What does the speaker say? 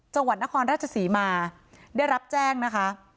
จังหวัดนครราชศรีมาได้รับแจ้งนะคะ